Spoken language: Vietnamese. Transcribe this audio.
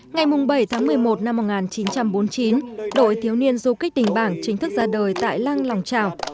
ngày bảy tháng một mươi một năm một nghìn chín trăm bốn mươi chín đội thiếu niên du kích đình bảng chính thức ra đời tại lăng lòng trào